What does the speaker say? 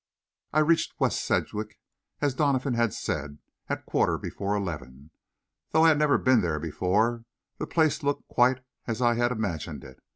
I reached West Sedgwick, as Donovan had said, at quarter before eleven. Though I had never been there before, the place looked quite as I had imagined it.